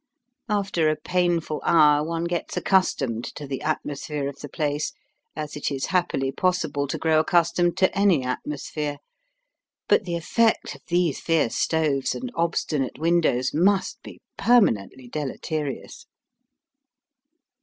After a painful hour one gets accustomed to the atmosphere of the place, as it is happily possible to grow accustomed to any atmosphere. But the effect of these fierce stoves and obstinate windows must be permanently deleterious.